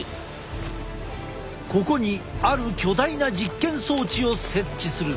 ここにある巨大な実験装置を設置する。